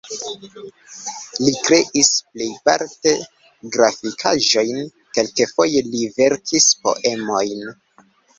Li kreis plejparte grafikaĵojn, kelkfoje li verkis poemojn.